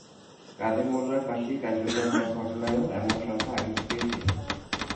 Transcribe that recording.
কাদের মোল্লার ফাঁসি কার্যকর হওয়ার ঘটনায়ও এমন আশঙ্কা আগে থেকেই ছিল।